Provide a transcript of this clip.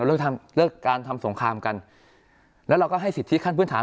เลิกทำเลิกการทำสงครามกันแล้วเราก็ให้สิทธิขั้นพื้นฐาน